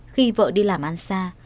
khi vợ đi làm ăn xa